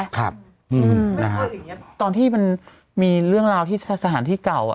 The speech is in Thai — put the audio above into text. ครับอืมอืมนะฮะตอนที่มันมีเรื่องราวที่สถานที่เก่าอ่ะ